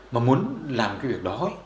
mà muốn làm việc đó